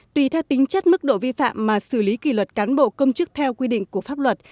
tùy theo tính chất mức độ vi phạm mà xử lý kỷ luật cán bộ công chức theo quy định của pháp luật